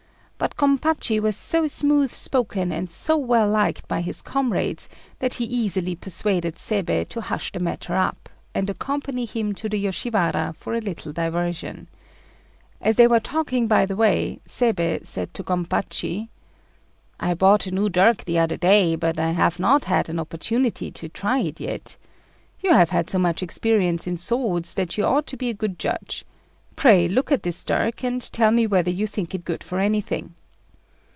But Gompachi was so smooth spoken and so well liked by his comrades, that he easily persuaded Seibei to hush the matter up, and accompany him to the Yoshiwara for a little diversion. As they were talking by the way, Seibei said to Gompachi "I bought a new dirk the other day, but I have not had an opportunity to try it yet. You have had so much experience in swords that you ought to be a good judge. Pray look at this dirk, and tell me whether you think it good for anything."